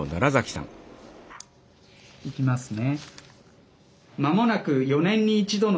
いきますね。